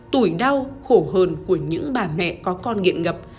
tủi đau khổ hờn của những bà mẹ có con nghiện ngập